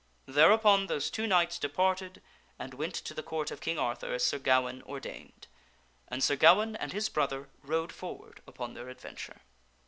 Thereupon those two knights departed and went to the Court of King Arthur as Sir Gawaine ordained, and Sir Gawaine and his brother rode forward upon their adventure.